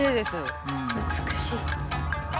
美しい。